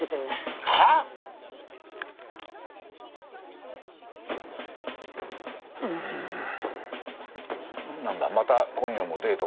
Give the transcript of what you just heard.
はぁ⁉ん何だまた今夜もデートか？